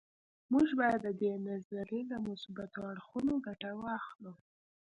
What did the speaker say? موږ باید د دې نظریې له مثبتو اړخونو ګټه واخلو